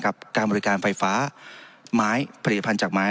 การบริการไฟฟ้าไม้ผลิตภัณฑ์จากไม้